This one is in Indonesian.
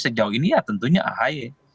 sejauh ini ya tentunya ahy